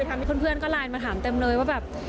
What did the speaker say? ทำให้คนเพื่อนก็ไลน์มาถามเต็มเลยว่าแบบ